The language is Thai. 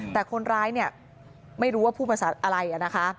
แต่คนร้ายเนี่ยไม่รู้ว่าพูดภาษาอะไรนะคะ